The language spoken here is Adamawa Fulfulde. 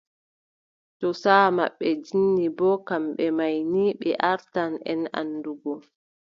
Too saaʼa maɓɓe jinni boo, kamɓe may ni ɓe artan en anndungo.